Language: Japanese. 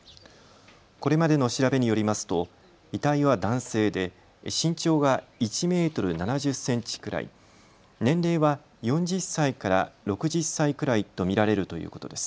これまでの調べによりますと遺体は男性で身長が１メートル７０センチくらい、２人は４０歳から６０歳くらいと見られるということです。